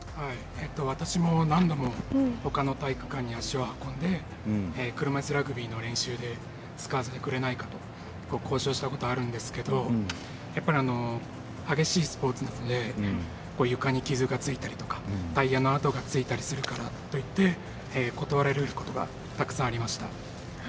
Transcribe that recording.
私も何度もほかの体育館に足を運んで車いすラグビーの練習で使わせてくれないかと交渉したこと、あるんですけどやっぱり激しいスポーツなので床に傷がついたりとかタイヤの跡がついたりするからといって断られることがたくさんありました。